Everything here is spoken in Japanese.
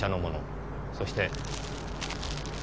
そして。